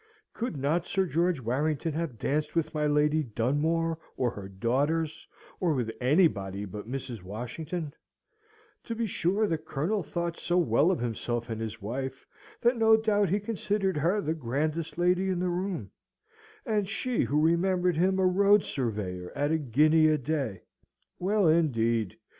Could not Sir George Warrington have danced with my Lady Dunmore or her daughters, or with anybody but Mrs. Washington; to be sure the Colonel thought so well of himself and his wife, that no doubt he considered her the grandest lady in the room; and she who remembered him a road surveyor at a guinea a day! Well, indeed!